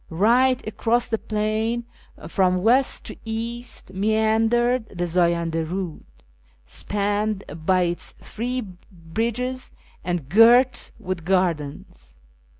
Eight across the plain from west to east meandered the Zayanda Ptud, spanned by its three bridges, and girt with gardens.